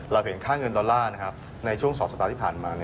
เราเห็นค่าเงินดอลลาร์ในช่วง๒สัปดาห์ที่ผ่านมา